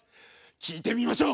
聴いてみましょう！